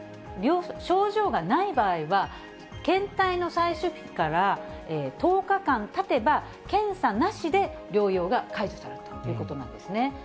症状がない場合は、検体の採取日から１０日間たてば、検査なしで療養が解除されるということなんですね。